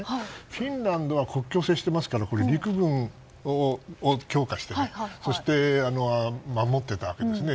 フィンランドは国境を接してますから陸軍を強化して守っていたわけですね。